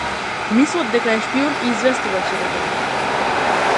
Мислат дека е шпион и известувач, реков.